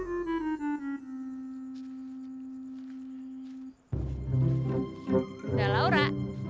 udah lah ra